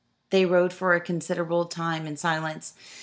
They rode for a considerable time in silence.